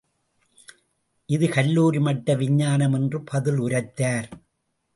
இது கல்லூரி மட்ட விஞ்ஞானம் என்று பதில் உரைத்தார்.